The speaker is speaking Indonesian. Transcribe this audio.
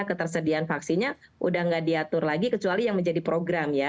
ketersediaan vaksinnya udah nggak diatur lagi kecuali yang menjadi program ya